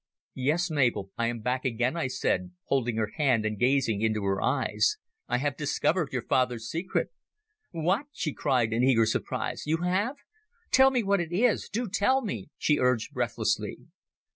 "Yes, Mabel, I am back again," I said, holding her hand and gazing into her eyes. "I have discovered your father's secret!" "What?" she cried in eager surprise, "you have? Tell me what it is do tell me," she urged breathlessly.